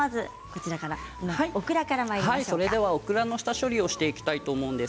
オクラの下処理をしていきます。